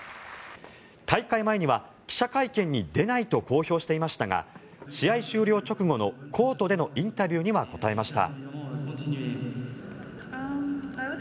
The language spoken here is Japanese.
大会前には記者会見に出ないと公表していましたが試合終了直後のコートでのインタビューには答えました。